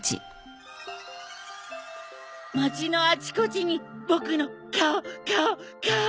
街のあちこちに僕の顔顔顔！